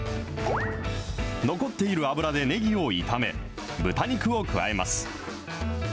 残っている油でねぎを炒め、豚肉を加えます。